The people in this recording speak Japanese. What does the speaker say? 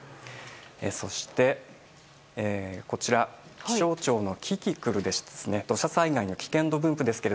そして、気象庁のキキクルの土砂災害の危険度分布です。